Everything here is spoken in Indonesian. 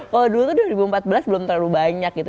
kalau dulu tuh dua ribu empat belas belum terlalu banyak gitu